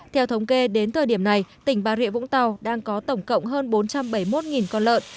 theo thống kê đến thời điểm này tỉnh bà rịa vũng tàu đang có tổng cộng hơn bốn trăm bảy mươi một con lợn